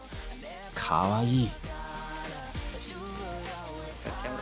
かわいい！